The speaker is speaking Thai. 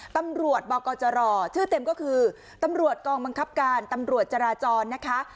ตำรวจบกจรชื่อเต็มก็คือตำรวจกองบังคับการตำรวจจราจรนะคะ